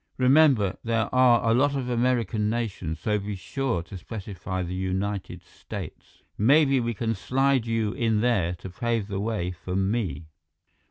Remember, there are a lot of American nations, so be sure to specify the United States. Maybe we can slide you in there to pave the way for me."